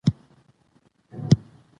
شغله ، شمله ، شاترينه ، شامسته ، شامتوره ،